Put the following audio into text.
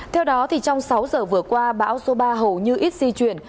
theo đó trong sáu giờ vừa qua bão số ba hầu như ít di chuyển